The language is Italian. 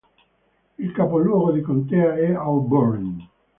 Il capoluogo di contea è Auburn.